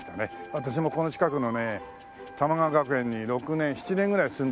私もこの近くのね玉川学園に６年７年ぐらい住んでてね